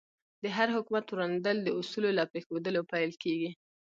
د هر حکومت ورانېدل د اصولو له پرېښودلو پیل کېږي.